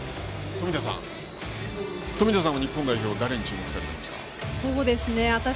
そして冨田さんは日本代表誰に注目されますか？